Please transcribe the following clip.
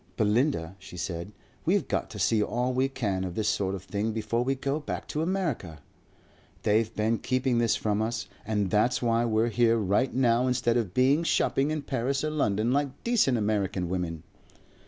Belinda,' she said, 'we've got to see all we can of this sort of thing before we go back to America. They've been keeping this from us.' And that's why we're here right now instead of being shopping in Paris or London like decent American women."